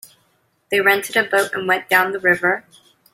They rented a boat and went down the river.